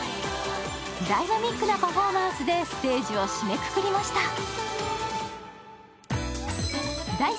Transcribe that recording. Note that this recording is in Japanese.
ダイナミックなパフォーマンスでステージを締めくくりました。